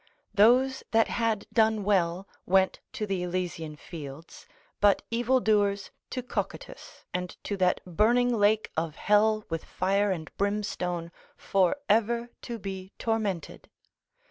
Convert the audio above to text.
Those that had done well, went to the elysian fields, but evil doers to Cocytus, and to that burning lake of hell with fire, and brimstone for ever to be tormented.